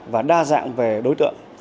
và đa dạng về đối tượng